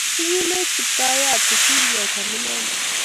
Igiilech Kiptayat kosir kecham inendet